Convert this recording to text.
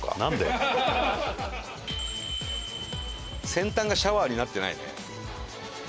先端がシャワーになってないね。